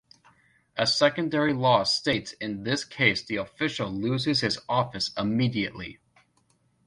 A secondary law states in this case the official loses his office immediately.